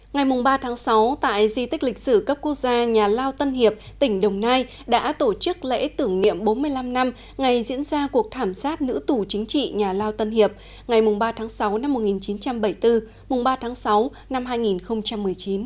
ngày ba sáu tại di tích lịch sử cấp quốc gia nhà lao tân hiệp tỉnh đồng nai đã tổ chức lễ tưởng niệm bốn mươi năm năm ngày diễn ra cuộc thảm sát nữ tù chính trị nhà lao tân hiệp ngày ba tháng sáu năm một nghìn chín trăm bảy mươi bốn ba tháng sáu năm hai nghìn một mươi chín